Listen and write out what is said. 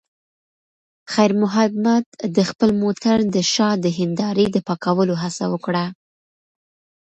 خیر محمد د خپل موټر د شا د هیندارې د پاکولو هڅه وکړه.